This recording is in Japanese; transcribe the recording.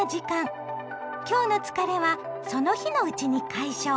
今日の疲れはその日のうちに解消！